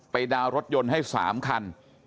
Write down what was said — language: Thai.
ดาวน์รถยนต์ให้๓คัน